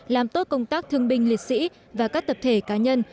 làm tốt công tác thương binh liệt sĩ và các tập thể cá nhân